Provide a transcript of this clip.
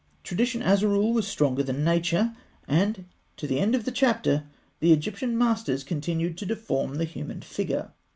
Tradition, as a rule, was stronger than nature, and to the end of the chapter, the Egyptian masters continued to deform the human figure.